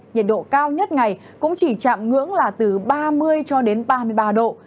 nhiệt độ cao nhất ngày cũng chỉ chạm ngưỡng là từ ba mươi cho đến ba mươi ba độ